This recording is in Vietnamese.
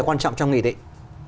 quan trọng trong nghị định